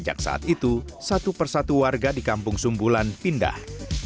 sejak saat itu satu persatu warga di kampung sumbulan pindah